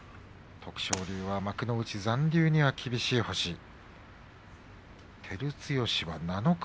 徳勝龍は幕内残留には厳しい成績です。